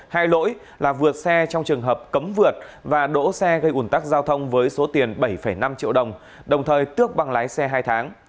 hai lỗi là vượt xe trong trường hợp cấm vượt và đỗ xe gây ủn tắc giao thông với số tiền bảy năm triệu đồng đồng thời tước bằng lái xe hai tháng